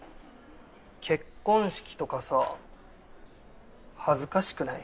結婚式とかさ恥ずかしくない？